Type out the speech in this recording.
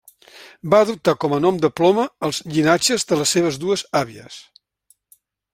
Va adoptar com a nom de ploma els llinatges de les seves dues àvies.